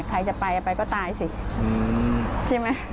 ใครจะไปไปก็ตายสิใช่ไหม